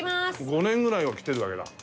５年ぐらいは来てるわけだ。